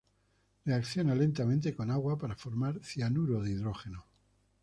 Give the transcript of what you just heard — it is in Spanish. Reacciona lentamente con agua para formar cianuro de hidrógeno.